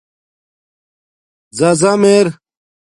زازم ار